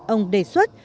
ông đề xuất